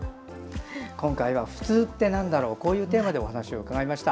今回は「普通って何だろう」というテーマでお話を伺いました。